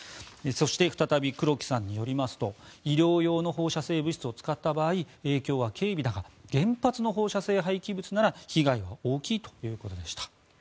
そして再び黒木さんによりますと医療用の放射性物質を使った場合影響は軽微だが原発の放射性廃棄物なら被害は大きいということでした。